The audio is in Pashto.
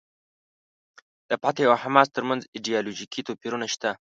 د فتح او حماس ترمنځ ایډیالوژیکي توپیرونه شته.